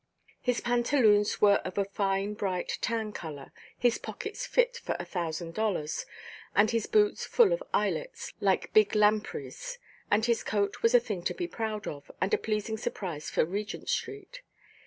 His pantaloons were of a fine bright tan colour, with pockets fit for a thousand dollars, and his boots full of eyelets, like big lampreys, and his coat was a thing to be proud of, and a pleasing surprise for Regent–street.